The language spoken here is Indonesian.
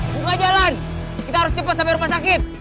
buka jalan kita harus cepet sampe rumah sakit